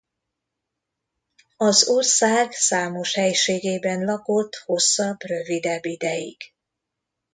Az ország számos helységében lakott hosszabb-rövidebb ideig.